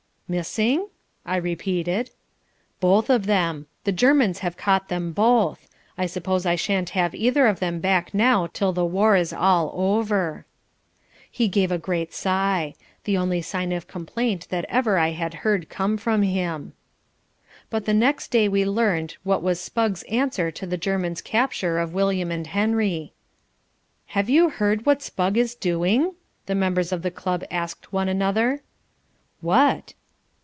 "Missing?" I repeated. "Both of them. The Germans have caught them both. I suppose I shan't have either of them back now till the war is all over." He gave a slight sigh, the only sign of complaint that ever I had heard come from him. But the next day we learned what was Spugg's answer to the German's capture of William and Henry. "Have you heard what Spugg is doing?" the members of the club asked one another. "What?"